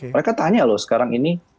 mereka tanya loh sekarang ini